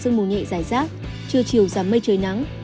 sương mù nhẹ dài rác trưa chiều giảm mây trời nắng